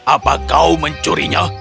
apa kau mencurinya